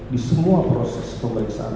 di semua proses pemeriksaan